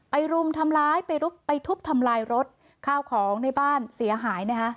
รุมทำร้ายไปทุบทำลายรถข้าวของในบ้านเสียหายนะคะ